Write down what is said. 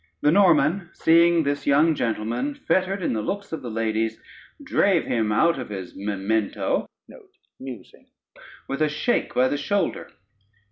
The Norman seeing this young gentleman fettered in the looks of the ladies drave him out of his memento with a shake by the shoulder.